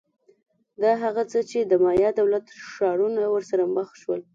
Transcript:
دا هغه څه چې د مایا دولت ښارونه ورسره مخ شول